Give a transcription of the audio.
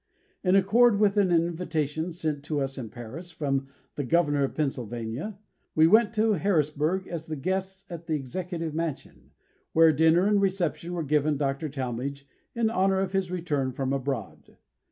In accord with an invitation sent to us in Paris, from the Governor of Pennsylvania, we went to Harrisburg as the guests at the Executive Mansion, where a dinner and reception were given Dr. Talmage in honour of his return from abroad.